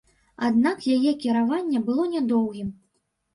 Аднак яе кіраванне было нядоўгім.